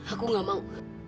aku nggak mau